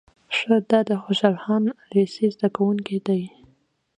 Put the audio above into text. شه دا د خوشحال خان لېسې زده کوونکی دی.